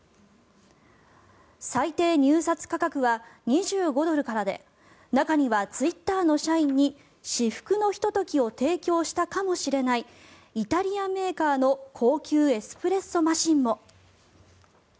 最低入札価格は２５ドルからで中にはツイッターの社員に至福のひと時を提供したかもしれないイタリアメーカーの高級エスプレッソマシンも。